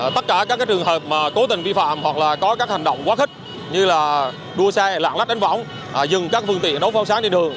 tất cả các trường hợp mà cố tình vi phạm hoặc là có các hành động quá khích như là đua xe lạng lách đánh võng dừng các phương tiện đấu pháo sáng trên đường